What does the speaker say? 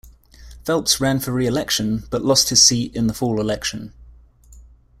Phelps ran for re-election but lost his seat in the fall election.